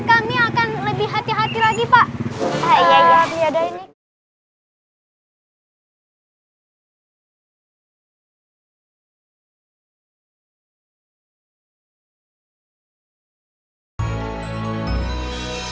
kami akan lebih hati hati lagi pak